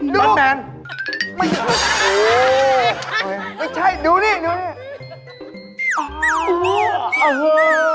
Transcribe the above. ดู